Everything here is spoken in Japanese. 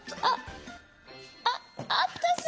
あっあった！